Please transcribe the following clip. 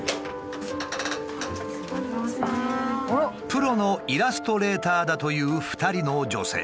プロのイラストレーターだという２人の女性。